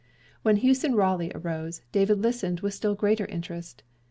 When Hewson Raleigh arose, David listened with still greater interest.